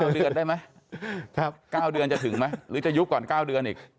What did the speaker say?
เดือนได้ไหม๙เดือนจะถึงไหมหรือจะยุบก่อน๙เดือนอีก